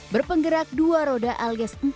berpenggerak dua roda alias